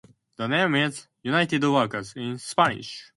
The name means "united workers" in Spanish.